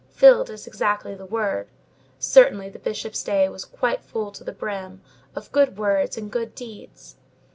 Filled is exactly the word; certainly the Bishop's day was quite full to the brim, of good words and good deeds.